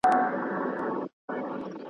نه په خوله فریاد له سرولمبو لري .